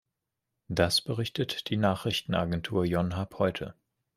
Das berichtet die Nachrichtenagentur Yonhap heute.